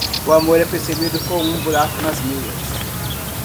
O amor é percebido como um buraco nas meias.